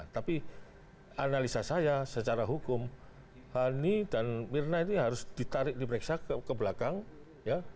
tapi analisa saya secara hukum hani dan mirna ini harus ditarik diperiksa ke belakang ya